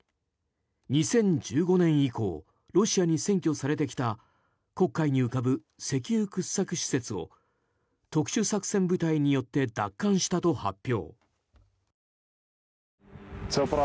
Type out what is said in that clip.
２０１５年以降ロシアに占拠されてきた黒海に浮かぶ石油掘削施設を特殊作戦部隊によって奪還したと発表。